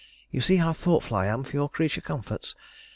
You see how thoughtful I am for your creature comforts.